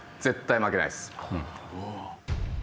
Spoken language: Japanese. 絶対負けないです。